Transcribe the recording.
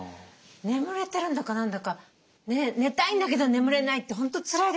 眠れてるんだか何だか寝たいんだけど眠れないって本当つらいですもんね。